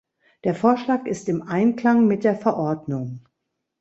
Der Vorschlag ist im Einklang mit der Verordnung.